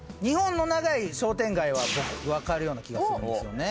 日本の長い商店街は僕分かるような気がする。